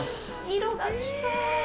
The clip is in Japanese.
色がきれい。